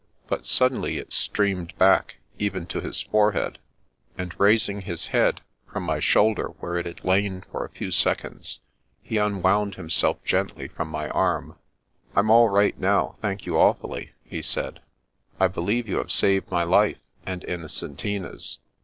But suddenly it streamed back, even to his forehead ; and raising his head from my 133 134 The Princess Passes shoulder where it had lain for a few seconds, he un wound himself gently from my arm. " Fm all right now, thank you awfully," he said. " I be lieve you have saved my life and Innocentina's.